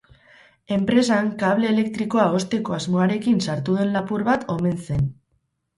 Enpresan kable elektrikoa osteko asmoarekin sartu den lapur bat omen zen.